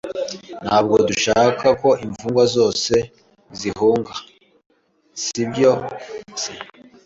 Ntabwo dushaka ko imfungwa zose zihunga, si byo se?